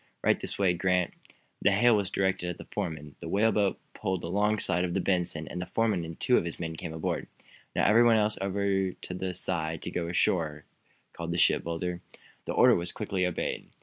Right this way, Grant!" The hail was directed at the foreman. The whaleboat put in alongside of the "Benson," and the foreman with two of his men came aboard. "And now, everyone else over the side to go ashore!" called the shipbuilder. This order was quickly obeyed.